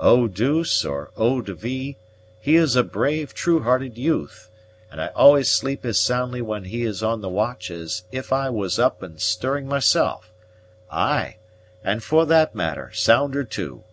Eau douce or Eau de vie, he is a brave, true hearted youth, and I always sleep as soundly when he is on the watch as if I was up and stirring myself; ay, and for that matter, sounder too.